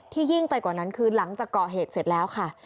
ยิ่งไปกว่านั้นคือหลังจากก่อเหตุเสร็จแล้วค่ะ